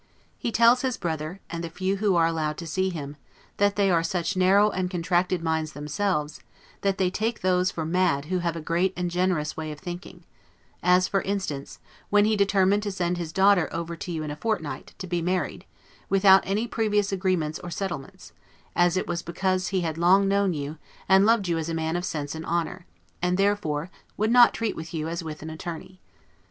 He tells his brother, and the few who are allowed to see him, that they are such narrow and contracted minds themselves, that they take those for mad who have a great and generous way of thinking; as, for instance, when he determined to send his daughter over to you in a fortnight, to be married, without any previous agreement or settlements, it was because he had long known you, and loved you as a man of sense and honor; and therefore would not treat with you as with an attorney.